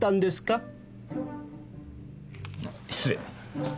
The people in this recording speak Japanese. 失礼。